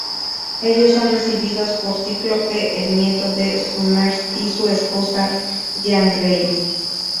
Ellos son recibidos por Cíclope, el nieto de Summers, y su esposa, Jean Grey.